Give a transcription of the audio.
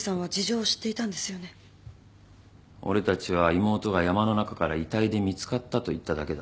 俺たちは妹が山の中から遺体で見つかったと言っただけだ。